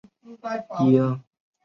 妹妹熊田胡胡也是演员。